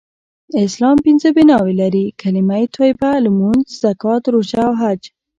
اسلام پنځه بناوې لری : کلمه طیبه ، لمونځ ، زکات ، روژه او حج